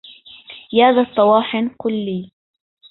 يا ذا الطواحن قل لي